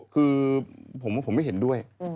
คือผมไม่เห็นด้วย